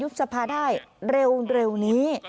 ยุ่มสัพพาได้เร็วเร็วนี้